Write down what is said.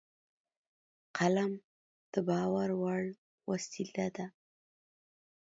قلم د باور وړ وسیله ده